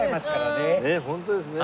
ねえホントですね。